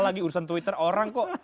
lagi urusan twitter orang kok